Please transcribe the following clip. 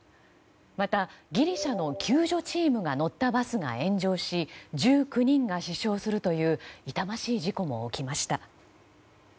またギリシャの救助チームが乗ったバスが炎上し１９人が死傷するという痛ましい事故も起きました。